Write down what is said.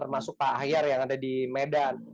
termasuk pak ahyar yang ada di medan